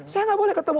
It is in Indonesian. saya nggak boleh ketemu